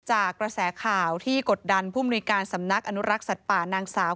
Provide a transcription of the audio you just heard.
กระแสข่าวที่กดดันผู้มนุยการสำนักอนุรักษ์สัตว์ป่านางสาว